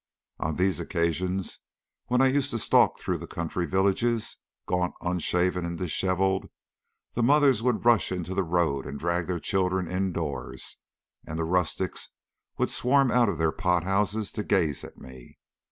On these occasions, when I used to stalk through the country villages, gaunt, unshaven, and dishevelled, the mothers would rush into the road and drag their children indoors, and the rustics would swarm out of their pot houses to gaze at me.